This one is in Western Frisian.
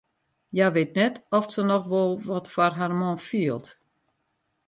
Hja wit net oft se noch wol wat foar har man fielt.